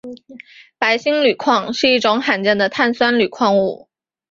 白铅铝矿是一种罕见的碳酸铝矿物。